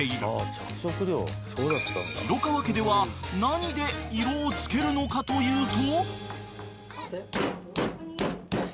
［廣川家では何で色を付けるのかというと］